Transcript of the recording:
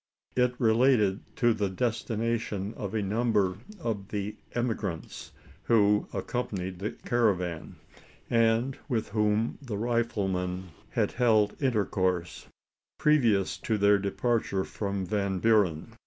It related to the destination of a number of the emigrants, who accompanied the caravan; and with whom the rifleman had held intercourse, previous to their departure from Van Buren.